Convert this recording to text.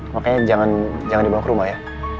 makanya jangan dibawa ke rumah ya